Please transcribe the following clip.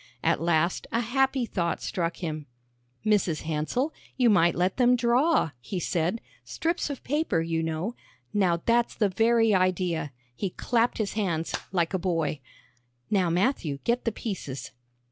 At last a happy thought struck him. "Mrs. Hansell, you might let them draw," he said; "strips of paper, you know. Now that's the very idea!" He clapped his hands like a boy. "Now, Matthew, get the pieces."